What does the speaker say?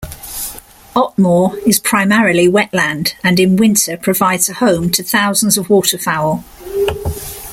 Otmoor is primarily wetland and in winter provides a home to thousands of waterfowl.